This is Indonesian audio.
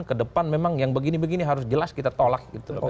kedepan memang yang begini begini harus jelas kita tolak